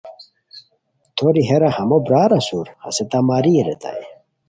توری ہیرا ہمو برار اسور ہسے تہ ماریر ریتائے